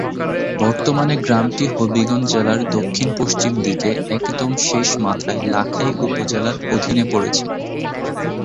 বর্তমানে গ্রামটি হবিগঞ্জ জেলার দক্ষিণ-পশ্চিম দিকে একদম শেষমাথায় লাখাই উপজেলার অধীনে পড়েছে।